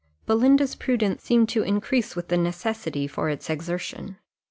Belinda's prudence seemed to increase with the necessity for its exertion.